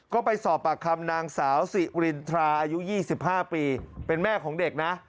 ก็ไปสอบปากคำนางสาวสิรินทราอายุ๒๕ปีเป็นแม่ของเด็กนะ